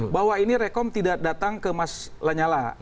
bahwa ini rekom tidak datang ke mas lanyala